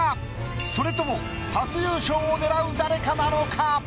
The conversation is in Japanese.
それとも初優勝を狙う誰かなのか？